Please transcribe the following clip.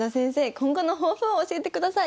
今後の抱負を教えてください。